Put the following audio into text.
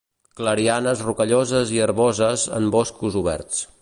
Clarianes rocalloses i herboses en boscos oberts.